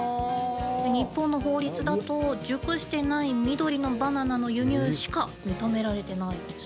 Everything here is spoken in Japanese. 日本の法律だと熟してない緑のバナナの輸入しか認められてないんです。